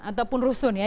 ataupun rusun ya